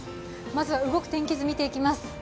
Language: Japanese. まずは動く天気図見ていきます。